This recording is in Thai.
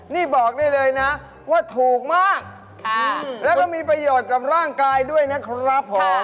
นี่บอกได้เลยนะว่าถูกมากแล้วก็มีประโยชน์กับร่างกายด้วยนะครับผม